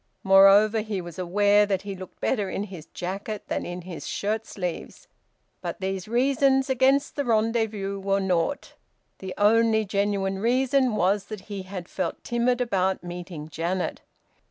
Moreover, he was aware that he looked better in his jacket than in his shirt sleeves. But these reasons against the rendezvous were naught. The only genuine reason was that he had felt timid about meeting Janet.